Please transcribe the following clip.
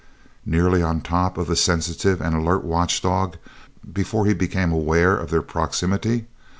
Nearly on top of the sensitive and alert watchdog before he became aware of their proximity!